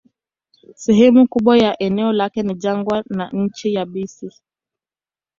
Sehemu kubwa ya eneo lake ni jangwa na nchi yabisi.